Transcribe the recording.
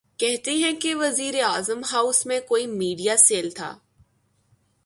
کہتے ہیں کہ وزیراعظم ہاؤس میں کوئی میڈیا سیل تھا۔